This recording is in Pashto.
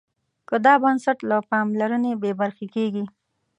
که دا بنسټ له پاملرنې بې برخې کېږي.